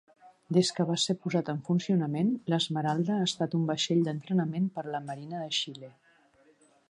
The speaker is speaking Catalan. Des que va ser posat en funcionament, l'Esmeralda ha estat un vaixell d'entrenament per a la marina de Xile.